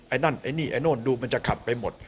ไอ้นั่นไอ้นี่ไอ้โน่นดูมันจะขัดไปหมด